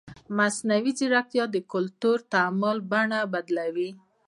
مصنوعي ځیرکتیا د کلتوري تعامل بڼه بدلوي.